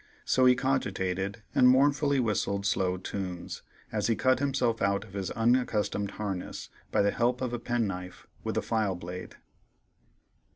So he cogitated and mournfully whistled slow tunes, as he cut himself out of his unaccustomed harness by the help of a pen knife with a file blade.